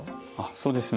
そうですね。